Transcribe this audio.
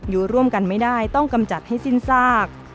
อยู่ร่วมกันไม่ได้ต้องกำจัดให้สิ้นซาก